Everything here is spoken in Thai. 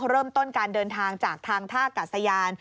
เริ่มต้นการเดินทางจากทางท่ากัดสยาน